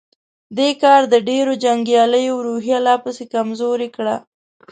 دې کار د ډېرو جنګياليو روحيه لا پسې کمزورې کړه.